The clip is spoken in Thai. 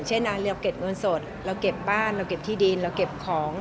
เช่นเราเก็บเงินสดเราเก็บบ้านเราเก็บที่ดินเราเก็บของ